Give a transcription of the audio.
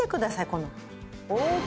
この。